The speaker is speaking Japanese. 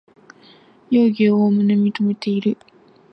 容疑をおおむね認めている